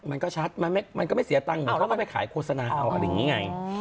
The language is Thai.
มันก็ชัดมันก็ไม่เสียตังค์เหมือนเขาก็ไปขายโฆษณาเอาอะไรอย่างนี้ไง